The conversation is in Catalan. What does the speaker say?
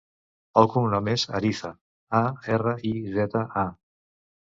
El cognom és Ariza: a, erra, i, zeta, a.